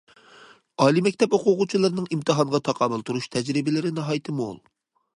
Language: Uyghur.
ئالىي مەكتەپ ئوقۇغۇچىلىرىنىڭ ئىمتىھانغا تاقابىل تۇرۇش تەجرىبىلىرى ناھايىتى مول.